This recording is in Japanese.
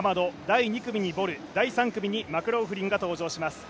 第２組にボル第３組にマクローフリンが登場します。